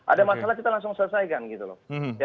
ada masalah kita langsung selesaikan gitu loh